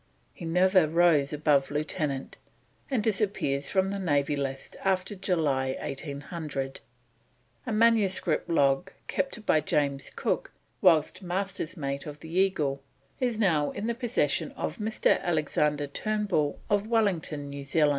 He never rose above lieutenant, and disappears from the Navy List after July 1800. A manuscript log kept by James Cook whilst Master's mate of the Eagle is now in the possession of Mr. Alexander Turnbull of Wellington, New Zealand.